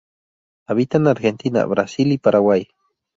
Habita en Argentina, Brasil y Paraguay.